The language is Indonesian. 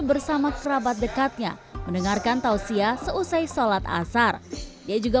bersama kerabat dekatnya mendengarkan tausiah seusai sholat asar dia juga